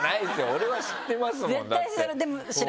俺は知ってますもんだって。